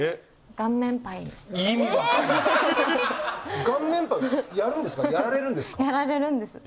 顔面パイやるんですか？